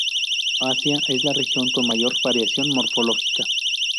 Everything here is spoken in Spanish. Asia es la región con la mayor variación morfológica.